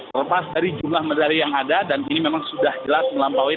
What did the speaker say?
terlepas dari jumlah medali yang ada dan ini memang sudah jelas melampaui